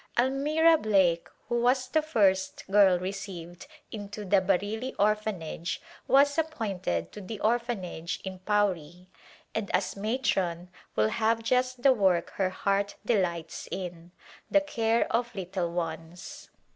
Almira Blake, who was the first girl received into the Bareilly Orphanage, was appointed to the Orphanage in Pauri, and as matron will have just the work her heart delights in, the care of little ones.